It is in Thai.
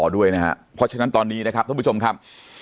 ด้วยนะครับเพราะฉะนั้นตอนนี้นะครับท่านผู้ชมครับ